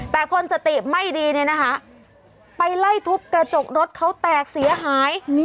แต่คนสติไม่ดีไปไล่ทุบกระจกรถเขาแตกเสียหาย